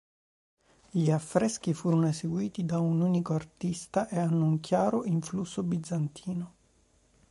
Gli affreschi furono eseguiti da un unico artista e hanno un chiaro influsso bizantino.